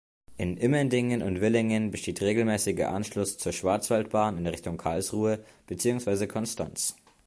In Immendingen und Villingen besteht regelmäßiger Anschluss zur Schwarzwaldbahn in Richtung Karlsruhe beziehungsweise Konstanz.